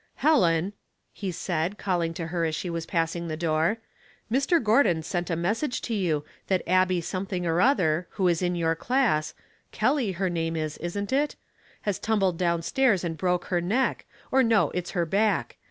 " Helen," he said, calling to her as she was passing the door, " Mr. Gordon sent a message to you, that Abby something or other, who is in your class, Kelley her name is, isn't it ? has tumbled down stairs and broke her neck, or, no, it's her back.